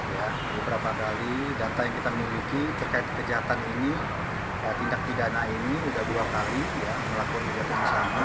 ya beberapa kali data yang kita miliki terkait kejahatan ini tindak pidana ini sudah dua kali melakukan kejahatan yang sama